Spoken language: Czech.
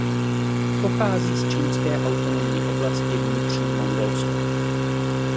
Pochází z čínské autonomní oblasti Vnitřní Mongolsko.